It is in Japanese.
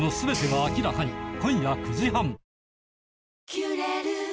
「キュレル」